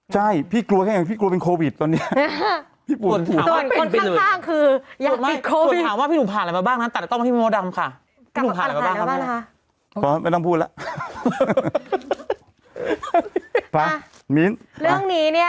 ใช่พี่กลัวแค่ไหนพี่กลัวเป็นโควิดตอนนี้